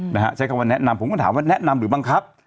นะฮะใช้คำว่าแนะนำผมก็ถามว่าแนะนำหรือบังคับ